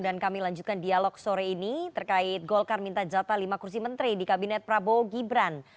kami lanjutkan dialog sore ini terkait golkar minta jatah lima kursi menteri di kabinet prabowo gibran